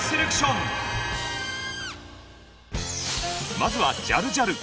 まずはジャルジャル。